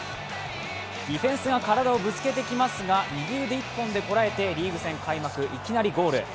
ディフェンスが体をぶつけてきますが右腕１本でこらえて、リーグ戦開幕いきなりゴール。